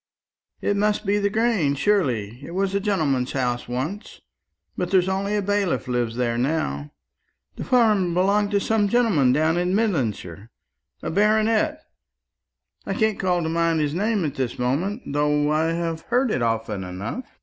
"It must be the Grange, surely. It was a gentleman's house once; but there's only a bailiff lives there now. The farm belongs to some gentleman down in Midlandshire, a baronet; I can't call to mind his name at this moment, though I have heard it often enough.